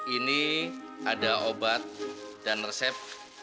ini ada obat dan resep